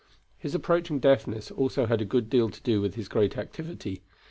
His approaching deafness also had a good deal to do with his great activity.